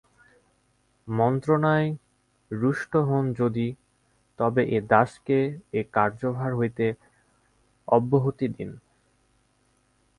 মন্ত্রণায় রুষ্ট হন যদি তবে এ দাসকে এ কার্যভার হইতে অব্যাহতি দিন।